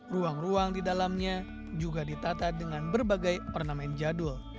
ruang ruang di dalamnya juga ditata dengan berbagai ornamen jadul